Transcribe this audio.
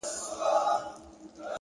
د حقیقت لټون پوهه ژوره کوي,